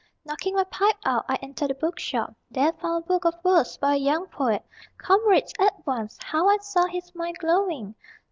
Knocking my pipe out, I entered a bookshop; There found a book of verse by a young poet. Comrades at once, how I saw his mind glowing!